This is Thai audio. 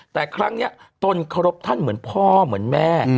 แต่ครั้งนี้ตนเคารพท่านเหมือนพ่อเหมือนแม่